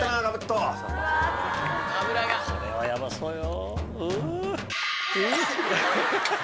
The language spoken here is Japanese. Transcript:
これはヤバそうよ。